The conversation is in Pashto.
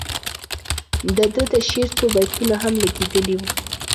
د ده د شعر څو بیتونه هم لګیدلي وو.